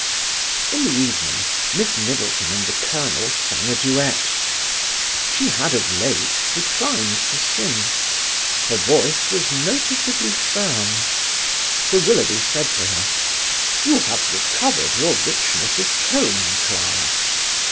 I the evening, Miss Middleton and the colonel sang a duet. She had of late declined to sing. Her voice was noticeably firm. Sir Willoughby said to her, "You have recovered your richness of tone, Clara."